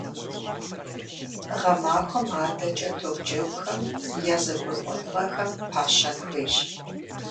Гъэмахуэм адэкӀэ топджэгухэм я зэгурыӀуэныгъэхэм пащэн хуейщ.